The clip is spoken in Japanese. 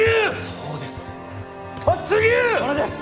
それです！